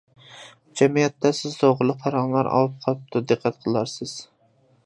-جەمئىيەتتە سىز توغرۇلۇق پاراڭلار ئاۋۇپ قاپتۇ، دىققەت قىلارسىز.